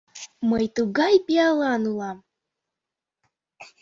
Мый тугай пиалан улам!